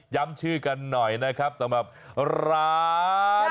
ชื่อกันหน่อยนะครับสำหรับร้าน